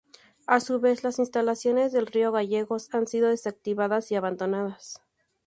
A su vez, las instalaciones de Río Gallegos han sido desactivadas y abandonadas.